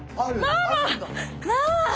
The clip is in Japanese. ママ！